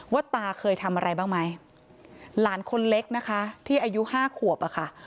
ตาเคยทำอะไรบ้างไหมหลานคนเล็กนะคะที่อายุห้าขวบอะค่ะ